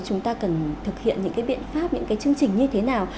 chúng ta cần thực hiện những cái biện pháp những cái chương trình như thế nào